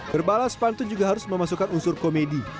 berbalas pantun juga harus memasukkan unsur komedi